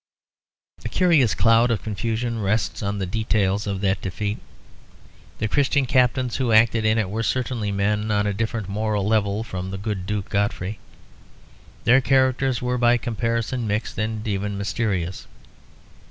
A curious cloud of confusion rests on the details of that defeat. The Christian captains who acted in it were certainly men on a different moral level from the good Duke Godfrey; their characters were by comparison mixed and even mysterious.